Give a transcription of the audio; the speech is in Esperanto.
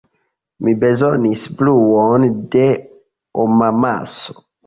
Mi bezonis bruon de homamaso.